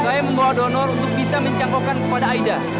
saya membawa donor untuk bisa menjangkaukan kepada aida